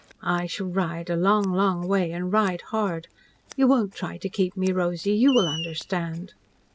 I shall ride a long, long way and ride hard. You won't try to keep me, Rosy. You will understand."